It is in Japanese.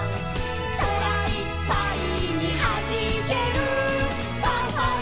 「そらいっぱいにはじける」「ファンファンファン！